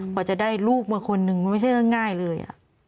พอจะได้ลูกมาคนหนึ่งมันไม่ใช่เรื่องง่ายเลย